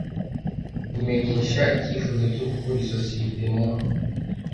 imenyesha icyifuzo cyo gukura isosiyete mu